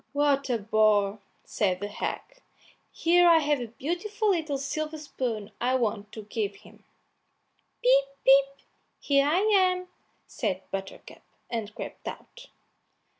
"What a bore!" said the hag; "here I have a beautiful little silver spoon I want to give him." "Pip, pip! here I am," said Buttercup, and crept out.